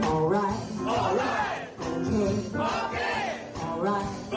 โอเค